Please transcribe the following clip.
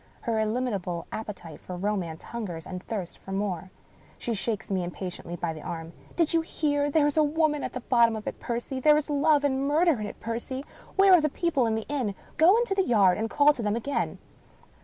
Her illimitable appetite for romance hungers and thirsts for more. She shakes me impatiently by the arm. " Do you hear ? There is a woman at the bottom of it, Percy ! There is love and murder in it, Percy ! Where are the people of the inn? Go into the yard, and call to them again."